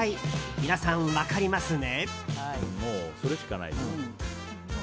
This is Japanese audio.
皆さん分かりますね？